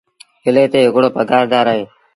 ڪلي تي هڪڙو پگھآر دآر اهي۔